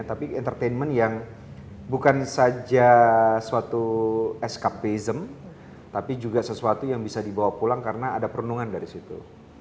tapi entertainment yang bukan saja suatu eskapism tapi juga sesuatu yang bisa dibawa pulang karena ada perenungan dari situ